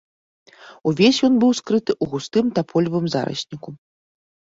Увесь ён быў скрыты ў густым таполевым зарасніку.